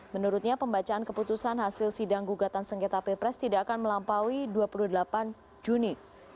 menurutnya pembacaan keputusan hasil sidang gugatan sengketa pilpres tidak akan melampaui dua puluh delapan juni